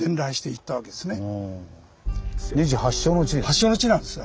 発祥の地なんです。